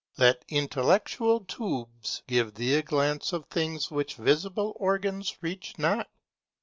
Let intellectual tubes give thee a glance of things which visive organs reach not.